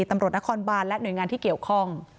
ตำรวจนครบานและหน่วยงานที่เกี่ยวข้อง